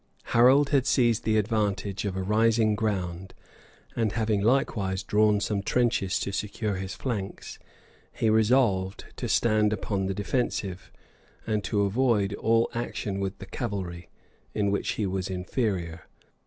] Harold had seized the advantage of a rising ground, and having likewise drawn some trenches to secure his flanks, he resolved to stand upon the defensive, and to avoid all action with the cavalry, in which he was inferior.